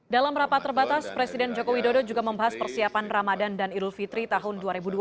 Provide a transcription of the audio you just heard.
dalam rapat terbatas presiden joko widodo juga membahas persiapan ramadan dan idul fitri tahun dua ribu dua puluh